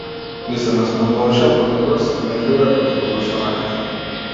Ми се насмевнуваше, а понекогаш срамежливо ја подигнуваше раката.